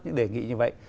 những đề nghị như vậy